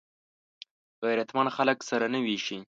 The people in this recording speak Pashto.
غیرتمند خلک سره نه وېشي